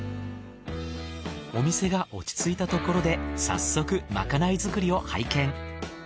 お店が落ち着いたところで早速まかないづくりを拝見。